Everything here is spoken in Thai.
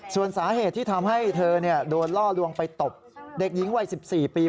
ส่วนสาเหตุที่ทำให้เธอโดนล่อลวงไปตบเด็กหญิงวัย๑๔ปี